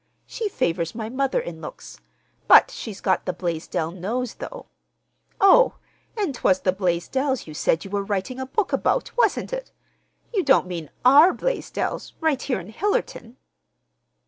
She favors my mother in looks, but she's got the Blaisdell nose, though. Oh, and 'twas the Blaisdells you said you were writing a book about, wasn't it? You don't mean our Blaisdells, right here in Hillerton?"